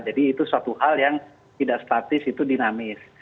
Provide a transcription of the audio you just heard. jadi itu suatu hal yang tidak statis itu dinamis